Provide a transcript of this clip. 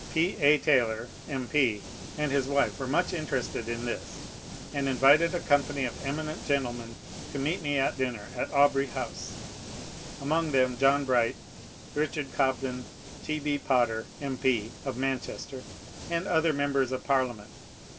P. A. Taylor, M. P., and his wife were much interested in this, and invited a company of eminent gentlemen to meet me at dinner at Aubrey House, among them John Bright, Richard Cobden, T. B. Potter, M. P., of Manchester, and other members of Parliament.